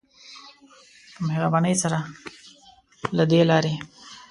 په مهربانی سره له دی لاری.